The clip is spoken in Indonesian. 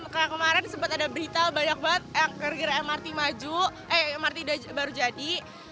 kayak kemarin sempat ada berita banyak banget yang kira kira mrt baru jadi